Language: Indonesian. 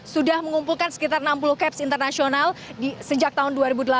sudah mengumpulkan sekitar enam puluh caps internasional sejak tahun dua ribu delapan belas